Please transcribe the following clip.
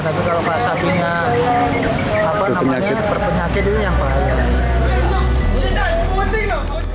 tapi kalau sapinya berpenyakit itu yang bahaya